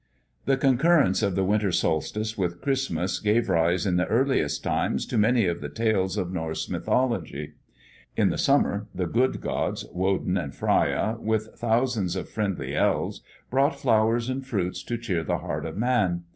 The concurrence of the winter solstice with Christmas gave rise in the earliest times to many of the tales of Norse mythology. In the summer the good gods, Woden and Freia, with thousands of friendly elves, brought flowers and fruits to cheer the heart of man.